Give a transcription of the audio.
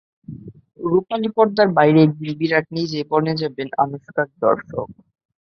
রুপালি পর্দার বাইরে, এদিন বিরাট নিজেই বনে যাবেন মাঠে আনুশকার দর্শক।